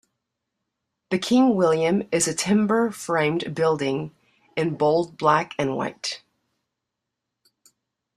The King William is a timber-framed building in bold black and white.